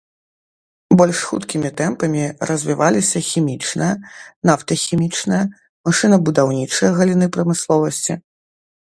Больш хуткімі тэмпамі развіваліся хімічная, нафтахімічная, машынабудаўнічая галіны прамысловасці.